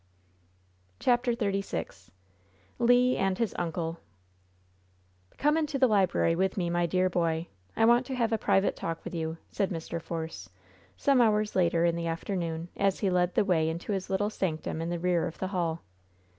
CHAPTER XXXVI LE AND HIS "UNCLE" "Come into the library with me, my dear boy, I want to have a private talk with you," said Mr. Force, some hours later in the afternoon, as he led the way into his little sanctum in the rear of the hall.